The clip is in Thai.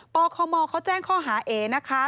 คมเขาแจ้งข้อหาเอนะคะ